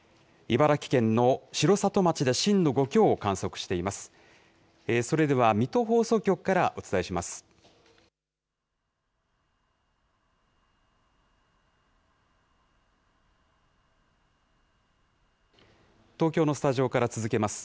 茨城県の城里町で震度５強を観測しています。